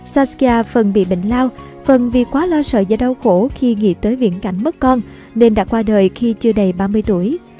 saskar phần bị bệnh lao phần vì quá lo sợ và đau khổ khi nghĩ tới viễn cảnh mất con nên đã qua đời khi chưa đầy ba mươi tuổi